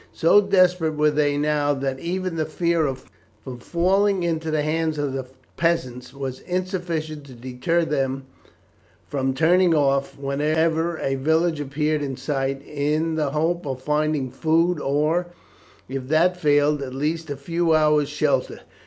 So desperate were they now that even the fear of falling into the hands of the peasants was insufficient to deter them from turning off, whenever a village appeared in sight, in the hope of finding food, or, if that failed, at least a few hours' shelter.